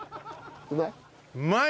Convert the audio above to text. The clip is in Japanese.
うまい？